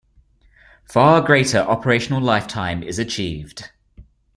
Far greater operational lifetime is achieved.